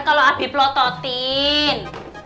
kalau abi pelototin